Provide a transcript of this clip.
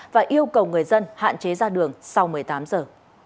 và yêu cầu người dân hạn chế ra đường sau một mươi tám giờ